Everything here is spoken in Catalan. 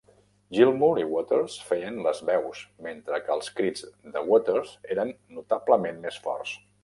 Gilmour i Waters feien les veus, mentre que els crits de Waters eren notablement més forts.